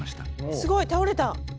すごい倒れた！